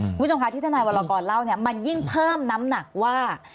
คุณผู้ชมคะที่ทนายวรกรเล่าเนี่ยมันยิ่งเพิ่มน้ำหนักว่า